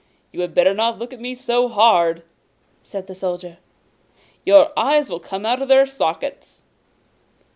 'You had better not look at me so hard!' said the Soldier. 'Your eyes will come out of their sockets!